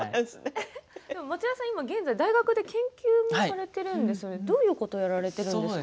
町田さんは現在大学で研究もされているんですよねどういうことをやられているんですか。